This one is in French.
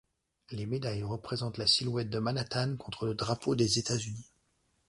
Les médaillons représentent la silhouette de Manhattan contre le drapeau des États-Unis.